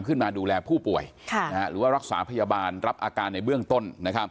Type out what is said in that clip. ดูแลผู้ป่วยหรือว่ารักษาพยาบาลรับอาการในเบื้องต้น